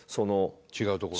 違うところ？